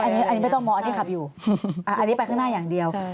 อันนี้ไม่ต้องมองอันนี้ขับอยู่อันนี้ไปข้างหน้าอย่างเดียว